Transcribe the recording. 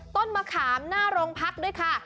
ต้นมะขามหน้าโรงพักด้วยค่ะ